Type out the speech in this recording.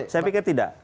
saya pikir tidak